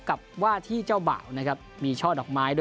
กับว่าที่เจ้าบ่าวนะครับมีช่อดอกไม้ด้วย